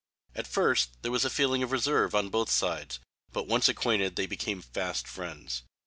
At first there was a feeling of reserve on both sides but once acquainted they became fast friends.